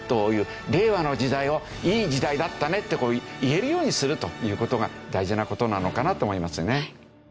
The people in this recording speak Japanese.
令和の時代をいい時代だったねって言えるようにするという事が大事な事なのかなと思いますよね。